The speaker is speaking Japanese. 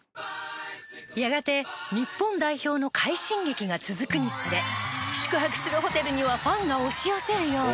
やがて日本代表の快進撃が続くにつれ宿泊するホテルにはファンが押し寄せるように。